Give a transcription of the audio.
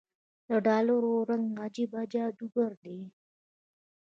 دډالرو رنګ عجيبه جادوګر دی